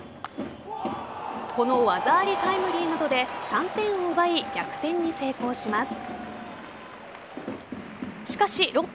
この技ありタイムリーなどで３点を奪い逆転に成功します。